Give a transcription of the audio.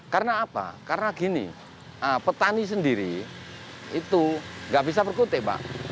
karena apa karena gini petani sendiri itu nggak bisa perkutik pak